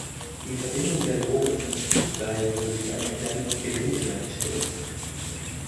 Die Verbindung der Loren zum Zugseil wurde durch eine Klemme mit Gewinde hergestellt.